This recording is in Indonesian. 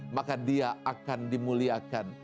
maka dia akan dimuliakan